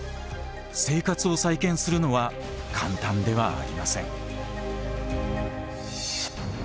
生活を再建するのは簡単ではありません。